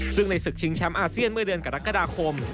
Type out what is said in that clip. ซึ่งในศึกชิงช้ำอาเซียนเมื่อเดือนกฎาคาดาคม